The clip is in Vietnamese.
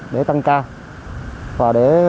để tăng ca và để